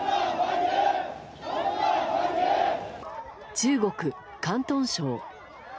中国・広東省。